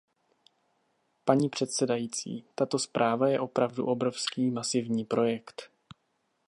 Paní předsedající, tato zpráva je opravdu obrovský, masivní projekt.